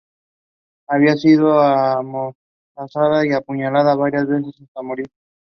Había sido amordazada y apuñalada varias veces hasta morir.